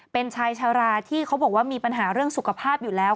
เป็นชายชาราที่เขาบอกว่ามีปัญหาเรื่องสุขภาพอยู่แล้ว